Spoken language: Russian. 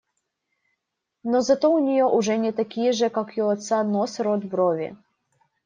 Но зато у нее, у Жени, такие же, как у отца, нос, рот, брови.